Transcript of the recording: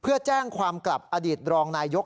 เพื่อแจ้งความกลับอดีตรองนายยก